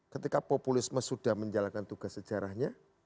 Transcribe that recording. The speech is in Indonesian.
ketika populisme sudah menjalankan tugas sejarahnya